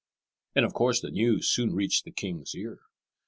And of course the news soon reached the king's ear.